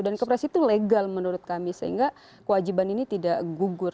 dan kepres itu legal menurut kami sehingga kewajiban ini tidak gugur